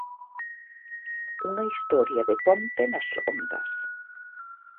Unha historia de Ponte nas ondas.